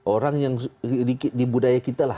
orang yang di budaya kita lah